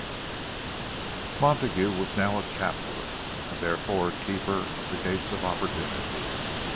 Montague was now a capitalist, and therefore a keeper of the gates of opportunity.